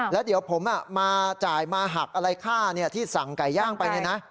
แล้วเดี๋ยวผมมาจ่ายมาหักอะไรค่าที่สั่งไก่ย่างไปเนี่ยนะ